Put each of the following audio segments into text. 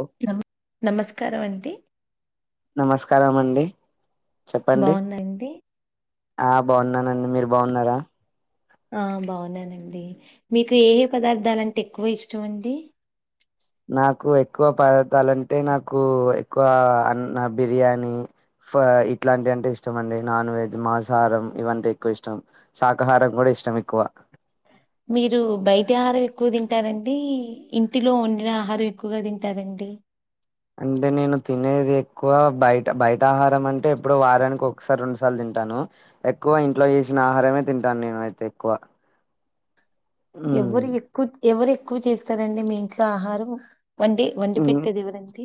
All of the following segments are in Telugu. ఓ నమస్కారం అండి నమస్కారం అండి చెప్పండి బాగుందా అండి ఆ బాగున్నానండి మీరు బాగున్నారా ఆ బాగున్నానండి మీకు ఏ ఏ పదార్థలాంటే ఎక్కువ ఇష్టం అండి నాకు ఎక్కువ పదార్థాలంటే నాకు ఎక్కువ అన్న బిర్యానీ ఇట్లాంటి అంటే ఇష్టం అండి నాన్ వెజ్ మాంసాహారం ఇవంటే ఎక్కువ ఇష్టం శాకాహారం కూడా ఇష్ట ఇష్టం ఎక్కువ మీరు బయటి ఆహారం ఎక్కువ తింటారండి ఇంటిలో వండిన ఆహారం ఎక్కువగా తింటార డి అంటే నేను తినేది ఎక్కువ బయట బయట ఆహారం అంటే ఎప్పుడో వారానికి ఒకసారి రెండుసార్లు తింటను తింటాను ఎక్కువ ఇంట్లో చేసిన ఆహారమే తింటాను నేను అయితే ఎక్కువ ఉమ్ ఎవరు ఎక్కువ ఎవరు ఎక్కువ చేస్తారండి మీ ఇంట్లో ఆహారం వండి వండి పెట్టేది ఎవరండి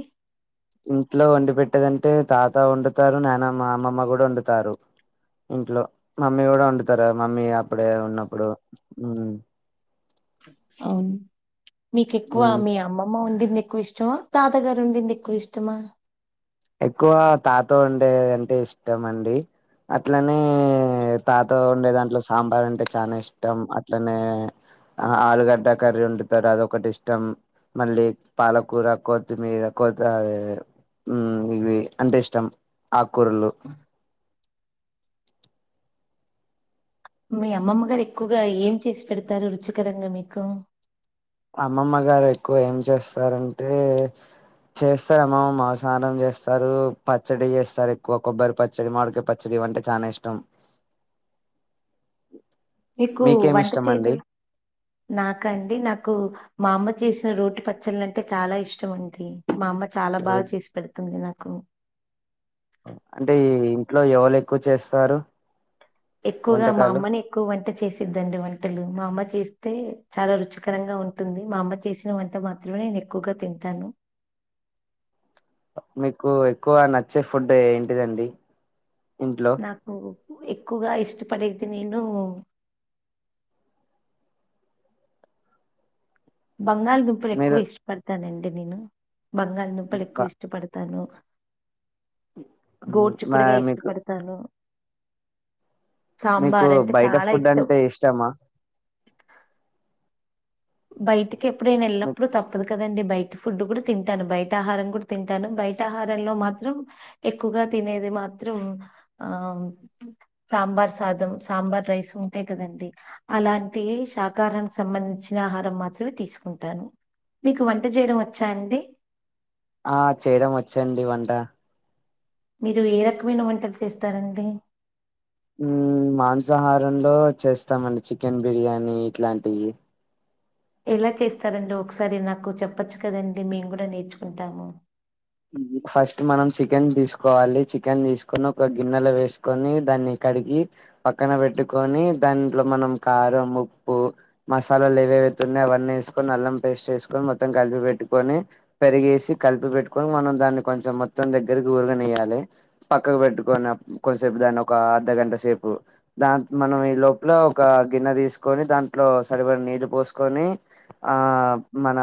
ఇంట్లో వండి పెట్టే అంటే తాత వండుతారు నాన్నమ్ మా అమ్మమ్మ కూడా వండుతారు ఇంట్లో మమ్మీ కూడా వండుతారు మమ్మీ అప్పుడే ఉన్నప్పుడు ఉమ్. అమ్ మీకు ఎక్కువ మ్మ్ మీ అమ్మమ్మ వండింది ఎ ఎక్కువ ఇష్టమా, తాతాగారు వండింది ఎక్కువ ఇష్టమా? ఎక్కువ తాత వండేదిది అంటే ఇష్టం అండి. అట్లనే తాత వండే దాంట్లో సాంబార్ అంటే చానా ఇష్టం అట్లనే ఆ ఆలుగడ్డ కర్రీ వండుతారు అదొ ఒకటి ఇష్టం. మళ్ళీ పాలకూర కొత్తిమీర కొత్ అది ఉమ్ ఇవి అంటే ఇష్టం ఆక్కూరలు మీ అమ్మమ్మ గారు ఎక్కువగా ఏం చేసి పెడతారు రుచికరంగా మీకు అమ్మమ్మ గారు ఎక్కువ ఏం చేస్తారంటే? చేస్తార అమ్మమ్ మా సనం చేస్తారు పచ్చడి చేస్తారు ఎక్కువ కొబ్బరి పచ్చడి మాడికాయ పచ్చడి ఇవి అంటే చానా ఇష్టం. మీకు మీకేమి వంట ఇష్టం చేదొ అండి నాకండి నాక్ నాకు మా అమ్మ చేసిన రోటి పచ్చళ్ళు అంటే చాలా ఇష్టం అండి మా అమ్మ చాలా బాగా రోడ్ చేసి పెడుతుంది నాకు అంటే ఈ ఇంట్లో ఎవళ్ళు ఎక్కువ చేస్తారు? ఎక్కువగా మా వంటకాలు అమ్మనే ఎక్కువ వంట చేసిద్దండి వంటలు మా అమ్మ చేసి అయితే చాలా రుచికరంగా ఉంటుంది. మా అమ్మ చేసిన వంట మాత్రమే నేను ఎక్కువగా తింటాను. మీకు ఎక్కువ నచ్చే ఫుడ్ ఏంటిదండి? ఇంట్లో నాకు ఎక్కువగా ఇష్టపడేది నేను బంగాళదుంపలు ఎక్కువ మీరు ఇష్టపడతానండి నేను బంగాళదుంపలు ఎక్కువ ఇష్టపడతాను మా గోడ్చుకుడుగా మీకు ఇష్టపడుతాను మీకు అంటే బయట చాలా ఫుడ్ ఇష్టం అంటే ఇష్టమా బయటికి ఎప్పుడైనా మీక్ వెళ్ళినప్పుడు తప్పదు కదా దం బయట ఫుడ్ కూడా తింటాను బయట ఆహారం కూడా తింటాను బయట ఆహారంలో మాత్రం ఎక్కువగా తిన్ తినేది మాత్రం ఆ సాంబార్ సాదం సాంబార్ రైస్ ఉంటాయి కదండి డి అలాంటివి షాకారానికి సంబంధించి చినహారం మాత్రమే తీసుకుంటాను మీకు వంట చేయడం వచ్చా అండి ఆ చేయడం వచ్చిండి వంట మీరు ఏ రకమైన వంటలు చేస్తారండి మాంసాహారంలో చేస్తామండి చికెన్ బిర్యానీ ఇట్లాంటివి ఎలా చేస్తారండి ఒకసారి నాకు చెప్పచ్చు కదండి మేము కూడా నేర్చుకుంటాము ఫస్ట్ మనం చికెన్ తీసుకోవాలి చికెన్ తీసుకొని ఒక గిన్నెలో వేసుకొని దాన్ని కడిగి పక్కన పెట్టుకొని దాంట్లో మనం కారం ఉప్పు మసాలాలేవో ఆధున్నే అవన్నీని అల్లం పేస్ట్ వేసుకొని మొత్తం కలిపి పెట్టుకోని పెరుగు వేసుకొని కలిపి పేట్ కొని మనం దాన్ని కొంచెం మొత్తం దగ్గరికి ఊరగనయాలి పక్కకు పెట్టుకొని కొంచసేపు దాన్ని ఒక అర్ధ గంట సేపు దా మనం ఈ లోపల ఒక గిన్నె తీసుకొని దాంట్లో సరిపో నీళ్ళు పోసుకొని ఆ మన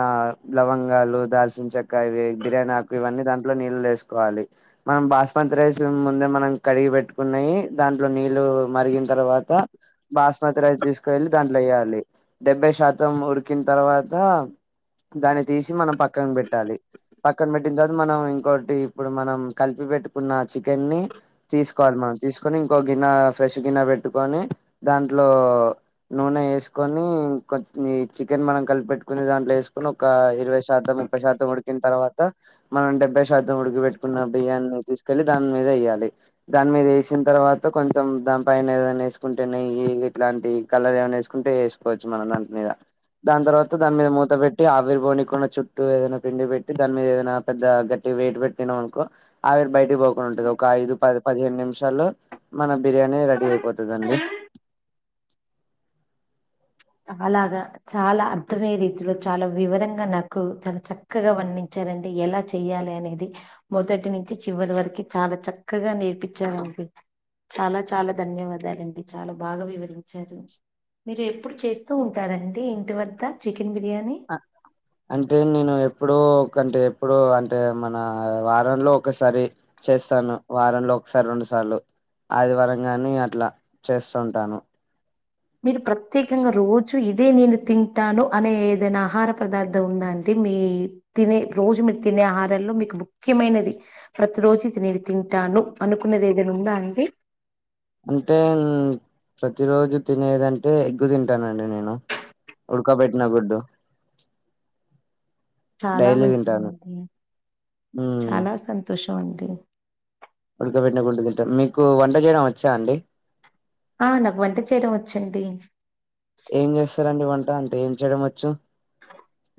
లవంగాలు దాల్చనా చెక్కయ ఇవి బిర్యానీ ఇవన్నీ దాంట్లో నీళ్ళల్లో వేసుకోవాలి మనం బాస్మతి రైస్ ముందే మనం కడిగి పెట్టుకున్నాయి దా దాంట్లో నీళ్ళ మరిగిన తర్వాత బాస్మతి రైస్ తీసుకెళ్ళి దాంట్లో వేయాలి డెబ్బై శాతం ఉరికిన్ తర్వాత దాన్ని తీసి మనం పక్కన పెట్టాలి పక్కన పెట్ ట్టిన తర్వాత మనం ఇంకోటి ఇప్పుడు మనం కలిపి పెట్టుకున్న చికెనీ తీసుకోవాలి మనం తీసుకొని ఇంకో గిన్నె ఫ్రెష్ గిన్నె పెట్టుకొని దాంట్లో నూనె వేసుకొని ఈ చికెన్ మనం కలిపిపెట్టుకుని దాంట్లో వేసుకొని ఒక ఇరవై శాతం ముప్పై శాతం ఉడికిన తర్వాత మనం డెబ్బై శాతం ఉడికి పెట్టుకున్న బియ్యాన్ని తీసుకెళ్ళలి దాని మీద వేయాలి దాని మీద వేసిన తర్వాత తర్వాత కొంచెం దాని పైన ఏదైనా వేసుకుంటే నెయి ఇలాంటి కలర్ ఏమైనా వేసుకుంటే వేసుకోవచ్చు మనం హమ్మయ్య దాని తర్వాత దాని మీద మూత పెట్టి ఆవిరి పోని కొన్న చుట్టూ ఏదైనా పిండి పెట్టి దాని మీద ఏదనా నాకజ గట్టి వెయిట్ పెట్టినా అనుకో ఆవిరీ బయటిక్పోకుడా ఉంటది ఒక ఐదు పది పదిహేను నిమిషాల్లో మన బిర్యానీ రెడీ అయిపోతది అండి చాలాగా చాలా అర్థమయ్యే రీతిలో చాలా వివరంగా నాకు చాలా చక్కగా వర్ణించ చరండి ఎలా చెయ్యాలి అనేది మొదటి నుంచి చివరి వరకు చాలా చక్కగా నేర్పించారు చాలా చాలా ధన్యవాదాలండి చాలా బాగా వివరించారు మీరు ప్పుడు చేస్తూ ఉంటారండి ఇంటి వద్ద చి అంటే నేను ఎప్పుడో ఒకటే ఇప్పుడు అంటే మన వారంలో ఒకసారి చేస్తాను వారంలో ఒకసారి రెండు సార్లు ఆదివరంగానే అట్లా చేస్తుంటాను మీరు ప్రత్యేకంగా రోజు ఇదే నేను తింటాను అనే ఏదైనా ఆహార పదార్థం ఉందా అండి మీ తినే రోజు మీరు తినే ఆహారాల్లో మీకు ముఖ్యమైనది ప్రతి రోజు నేను తింటె తను అనుకున్నది ఏదైనా ఉందా అండి అంటే ప్రతి రోజు తినేదంటే ఎగ్గు తింటానండి నేను ఉడ్కా పెట్ననా గుడ్డు చాలా డైలీ మంచిది తింటాను ఉంది ఉమ్ చాలా సంతోషం ఉంది ఉడకబెట్న గుడ్డు తంటాం మీకు వంట చేయడం వచ్చా అండి ఆ నాకు వంట చేయడం వచ్చండి ఏం చేస్తారండి వంట అంటే ఏం చేయడం వచ్చు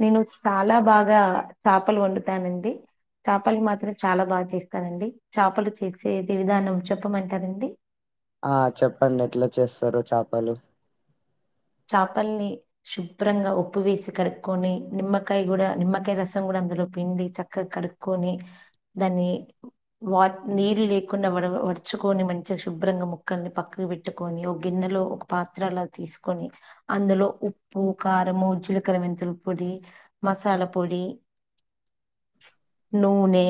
నేను చాలా బాగా తాపలు వండుతానండి చాపలు మాత్రం చాలా బాగా చేస్తానండి చాపలు చేసేది విధానం చెప్పమంటారండి ఆ చెప్పండెట్ల చేస్తరో చాపలు చేపల్ని శుభ్రంగా ఉప్పు వేసి కడుక్కోని నిమ్మకాయ కూడా నిమ్మకాయ రసం కూడా అందులో పిండి చక్కగా కడుక్కోని దాన్ని వాట్ నీళ్ళు లేకుండా వాడ వరచుకొని మంచిగా శుభ్రంగా ముక్కల్ని పక్కకు పెట్టుకొని ఒక గిన్నెలో ఒక పాత్రలా తీసు కొని అందులో ఉప్పు కారము జిలకర, మెంతుల పొడి, మసాల పొడి, నూనె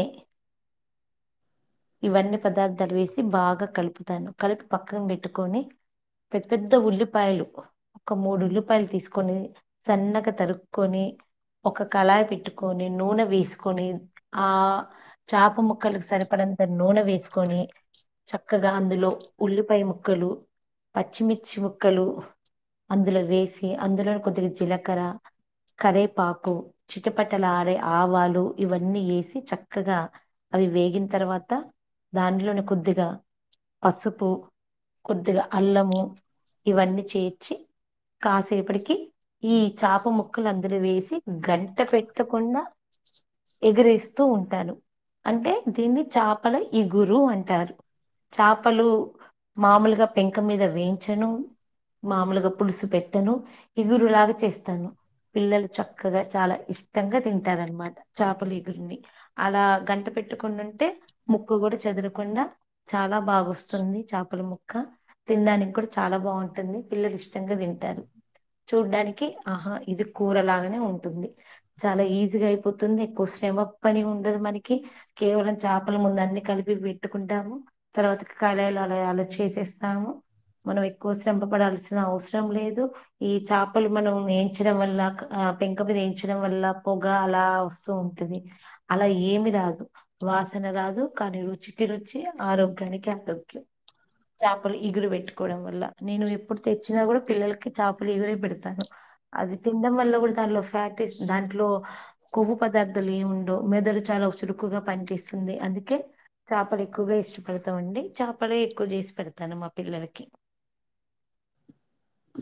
ఇవన్నీ పదార్థాలు వేసి బాగా కలుపుతాను కలిపి పక్కన పెట్టుకొని పెద్పెద్ద ఉల్లిపాయలు ఒక మూడు ఉల్లిపాయలు తీసుకొని సన్నగా తరుక్కొని ఒక కళాయి పెట్టుకొని నూనె వేసుకొని ఆ చాప ముక్కలకి సరిపడ నూనె వేసుకొని చక్కగా అందులో ఉల్లిపాయ ముక్కలు పచ్చిమిర్చి ముక్కలు అందులో వేసి అందులో కొద్దిగా జిలకర్ర కరేపాకు చిటపట లాడే ఆవాలు ఇవన్నీ వేసి చక్కగా అవి వేగిన తర్వాత దాంట్లోని కొద్దిగా పసుపు కొద్దిగా అల్లము ఇవన్నీ చేర్చి కాసేపటికి ఈ చాప ముక్కలు అందరూ వేసి గంట పెట్టకుండా ఎగిరిస్తూ ఉంటాను. అంటే దీన్ని చాపల ఇగురు అంటారు. చేపలు మామూలుగా పెంక మీద వేంచను. మామూలుగా పులుసు పెట్టను. ఇగురులాగా చేస్తను. పిల్లలు చక్కగా చాలా ఇష్టంగా తింటారనమాట. చేపల ఇగురిని అలా గంట పెట్టుకునింటే ముక్క కూడా చెదరకుండా చాలా బాగా వస్తుంది చేపల ముక్క తినడానికి కూడా చాలా బా బాగుంటుంది పిల్లలు ఇష్టంగా తింటారు. చూడ్డానికి ఆహా ఇది కూర లాగానే ఉంటుంది చాలా ఈజీగా అయిపోతుంది కొస్ క్షమ పని ఏమి ఉండదు మనికి కేవలం చాప వాళ్ళు ముంద అన్ని కలిపి పెట్టుకుంటాము. తర్వాత కళైలాలు అలా చేసేస్తాము. మనం ఎక్కువ శ్రంపపడాల్సిన అవసరం లేదు ఈ చేపలు మనం వేయించడం వల్ల క పెంక మీద వేయించడం వల్ల పొగ అలా వస్తూ ఉంటది అలా ఏమి రాదు వాస్ ని రాదు కానీ రుచికి రుచి ఆరోగ్యానికి ఆరోగ్యం చేపలు ఇగురు పెట్టుకోవడం వల్ల నేను ఎప్పుడు తెచ్చినా కూడా పిల్లలకి చేపల ఇగురే పెడతాను అవి తినడం వల్ల కూడా దాంట్లో ఫ్యాటీస్ దాంట్లో కొవ్వు పదార్థాలు ఏముండవు మెదడు చాలా చురుకుగా పనిచేస్తుంది అందుకే చేపలు ఎక్కువగా ఇష్టపడతామండి చేపలే ఎక్కువ చేసి పెడతాను మా పిల్లలకి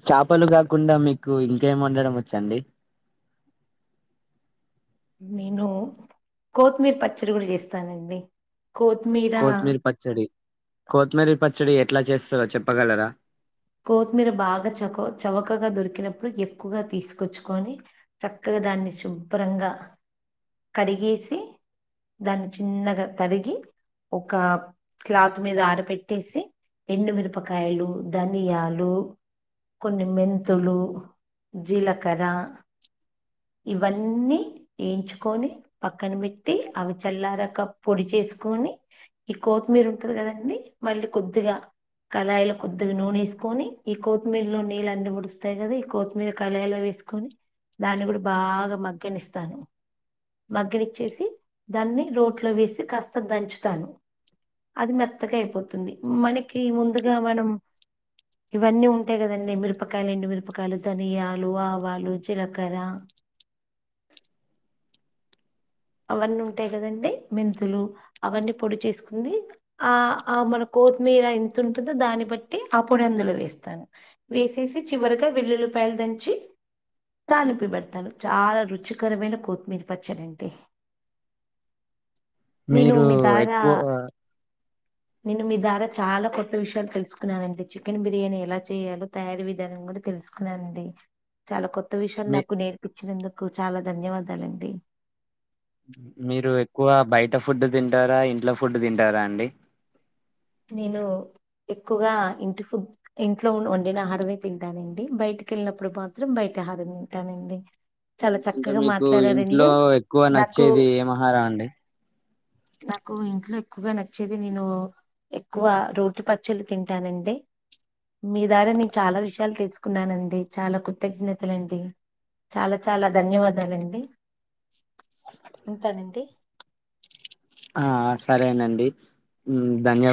చేపలు కాకుండా మీకు ఇంకేమి వండడం వచ్చండి నేనూ కోతిమీర పచ్చడి కూడా చేస్తానండి కొత్తిమీర కొతిమీరి పచ్చడి కొతిమీరి పచ్చడి ఎట్లా చేస్తారో చెప్పగలరా కొత్తిమీర బాగా చక చవకగా దొరికినప్పుడు ఎక్కువగా తీసుకొచ్చుకొని చక్కగా దాన్ని శుభ్రంగా కడిగేసి దాన్ని చిన్నగా తరిగి ఒక క్లాత్ మీద ఆర పెట్టేసి ఎండుమిరపకాయలు ధనియాలు కొన్ని మెంతులు జీలకర్ర ఇవన్నీ వేయించుకొని పక్కన పెట్టి అవి చల్లారాక పొడి చేసుకు కుని ఈ కోత్తిమీర ఉంటది కదండీ మళ్ళీ కొద్దిగా కళాయిలొ కొద్దిగా నూనెేసుకొని ఈ కొత్తిమీర లో నీళ్ళన్నిముడుస్తాయి కదా ఈ కొత్తిమీర కళాయిలు వే సుకొని దాన్ని కూడా బాగా మగ్గనిస్తారు మగ్గనిచ్చేసి దాన్ని రోట్లొ వేసి కాస్త దంచుతాను అది మెత్తగా అయిపోతుంది మనకి ముందుగా మనం ఇవన్నీ ఉంటాయి కదండి మిరపకాయలు ఎండు మిరపకాయలు ధనియాలు ఆవాలు జీలకర్ర అవన్నీ ఉంటాయి కదండి మెంతులు అవన్నీ పొడి చేసుకుంది ఆ ఆ మనకు కొతిమీర ఎంత ఉంటుందో దాన్ని బట్టి ఆ పొడి అందులో వేస్తాను వేసేసి చివరిగా వెల్లుల్లి పాయ దంచి తాలింపు పెడతాడు చాలా రుచికరమైన కొత్తిమీర పచ్చాడంతె నేను మీరు మీదారా ఎక్కువ నేను మీ ద్వారా చాలా కొత్త విషయాలు తెలుసుకున్నానండి చికెన్ బిర్యానీ ఎలా చేయాలో తయారీ విధానం కూడా తెలు సుకున్నానండి చాలా కొత్త కొత్త విషయాలు మీ నాకు నేర్పించినందుకు చాలా ధన్యవాదాలండి మీరు ఎక్కువ బయట ఫుడ్ తింటారా ఇంట్లో ఫుడ్ తింటారా అండి నేను ఎక్కువగా ఇంటి ఫు ఇంట్లో వండిన హారమే తింటానండి బయటి కెళ్ళినప్పుడు మాత్రం బయట ఆహరం తింటానండి చాలా అంటే చక్కగా మీకు ఇంట్లో మాట్లాడారండి ఎక్కువ నాకు నచ్చేది ఏం ఆహారం అండి నాకు ఇంట్లో ఎక్కువగా నచ్చేది నేను ఎక్కువ రోటి పచ్చళ్లు తింటానండి మీ ద్వారా నేను చాలా విషయాలు తెలుసుకున్నానండి చాలా కృతజ్ఞతలండి చాలా చాలా ధన్యవాదాలండి ఉంటానండి ఆ సరేనండి మ్ ధన్యవా